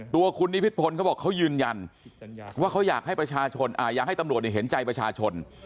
ตัวคุณนิพิษพลเขาบอกเขายืนยันว่าเขาอยากให้ประชาชนอยากให้ตำรวจเห็นใจประชาชน